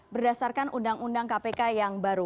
berdasarkan undang undang kpk yang baru